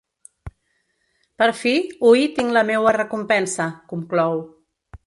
Per fi hui tinc la meua recompensa, conclou.